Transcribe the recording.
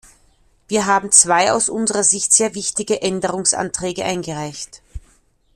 Wir haben zwei aus unserer Sicht sehr wichtige Änderungsanträge eingereicht.